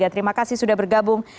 terima kasih sudah bergabung